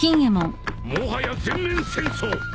もはや全面戦争！